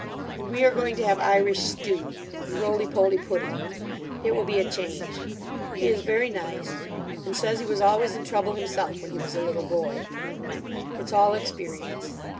And we are going to have Irish stew. And roly poly pudding. It will be a change. He is very nice. And says he was always in trouble himself when he was a little boy. It's all experience.